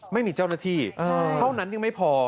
ไม่มีเจ้าหน้าที่ก็ไม่พอ